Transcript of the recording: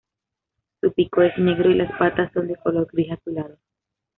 Su pico es negro y las patas son de color gris azulado.